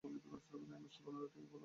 এই মিষ্টি বনরুটি গুলো ভালো হবে?